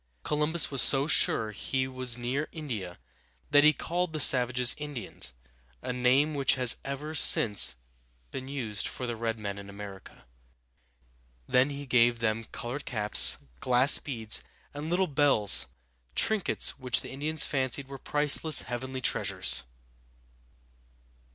Columbus was so sure he was near India that he called the savages Indians, a name which has ever since been used for the red men in America. Then he gave them colored caps, glass beads, and little bells, trinkets which the Indians fancied were priceless heavenly treasures!